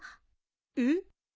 えっ？